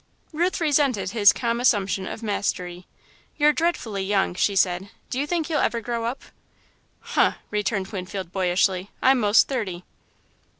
Ruth resented his calm assumption of mastery. "You're dreadfully young," she said; "do you think you'll ever grow up?" "Huh!" returned Winfield, boyishly, "I'm most thirty."